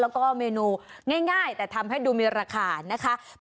แล้วก็เมนูง่ายแต่ทำให้ดูมีราคานะคะ